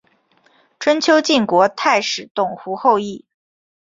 春秋晋国太史董狐后裔。